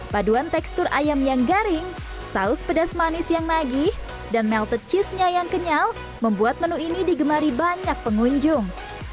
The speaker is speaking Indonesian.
paduan tekstur ayam yang garing saus pedas manis yang nagih dan melted cheese nya yang kenyal membuat menu ini digemari banyak pengunjung